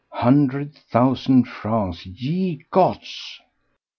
Hundred thousand francs! Ye gods!